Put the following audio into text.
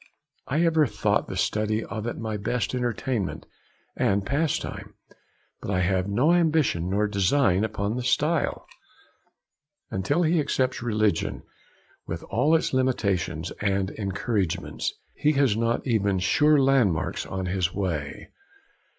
I ever thought the study of it my best entertainment and pastime, but I have no ambition nor design upon the style.' Until he accepts religion, with all its limitations and encouragements, he has not even sure landmarks on his way.